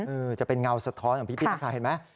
จะเป็นเงาสะท้อนของพี่นักข่าวเห็นไหม